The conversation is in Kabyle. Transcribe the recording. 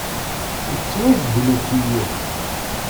Yettwagdel ukeyyef.